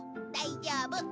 大丈夫。